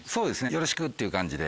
よろしくっていう感じで。